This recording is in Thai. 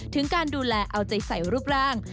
ถึงการดูแลเอาใจใส่รูปร่าง